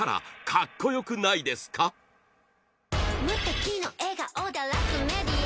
「無敵の笑顔で荒らすメディア」